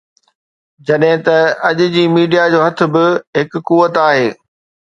جڏهن ته اڄ جي ميڊيا جو هٿ به هڪ قوت آهي